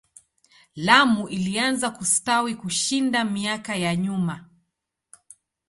Lamu ilianza kustawi kushinda miaka ya nyuma.